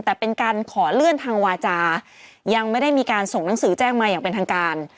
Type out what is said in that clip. แต่เป็นการขอเลื่อนทางวาจายังไม่ได้มีการส่งหนังสือแจ้งมาอย่างเป็นทางการ